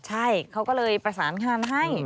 ใช่เขาก็เลยประสานงานให้